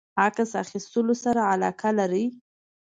عکس اخیستلو سره علاقه لری؟